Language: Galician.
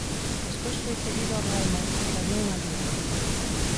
Despois foi cedido ao Real Madrid e gañou unha Liga.